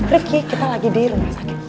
rifki kita lagi di rumah sakit